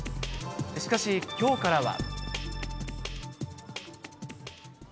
しかし、きょうからは。